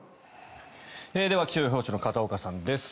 では気象予報士の片岡さんです。